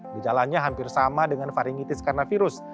gejalanya hampir sama dengan varingitis karena virus